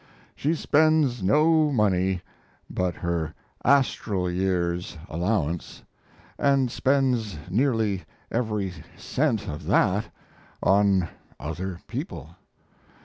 She spends no money but her astral year's allowance, and spends nearly every cent of that on other people.